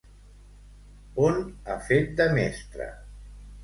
On ha fet de mestra?